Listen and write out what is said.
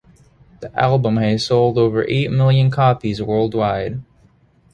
The album has sold over eight million copies, worldwide.